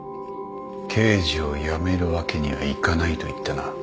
刑事を辞めるわけにはいかないと言ったな。